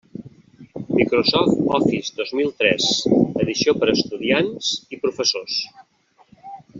Microsoft Office dos mil tres, edició per a estudiants i professors.